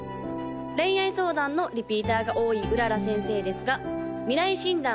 恋愛相談のリピーターが多い麗先生ですが未来診断